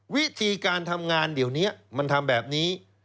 วิธีการทำงานเดี๋ยวนี้มันทำแบบนี้